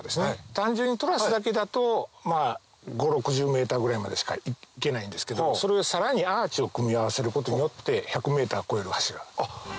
単純にトラスだけだとまぁ５０６０ｍぐらいまでしか行けないんですけどさらにアーチを組み合わせることによって１００ｍを超える橋が。